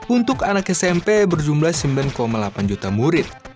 untuk anak smp berjumlah sembilan delapan juta murid